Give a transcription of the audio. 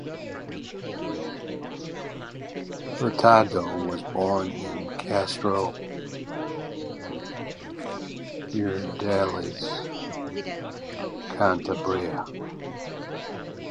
Hurtado was born in Castro Urdiales, Cantabria.